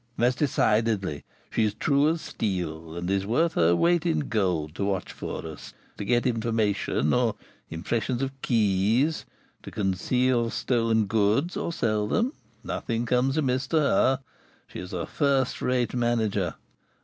"Most decidedly! She's true as steel, and is worth her weight in gold to watch for us, to get information or impressions of keys, to conceal stolen goods or sell them, nothing comes amiss to her. She is a first rate manager.